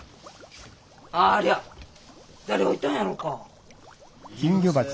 ありゃ誰が置いたんやろか？